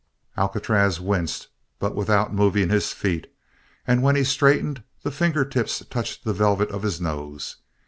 Alcatraz winced, but without moving his feet; and when he straightened the finger tips touched the velvet of his nose.